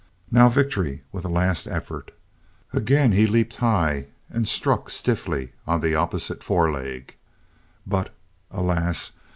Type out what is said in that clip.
Now victory with a last effort! Again he leaped high and again struck stiffly on the opposite foreleg; but alas!